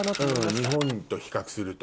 日本と比較すると。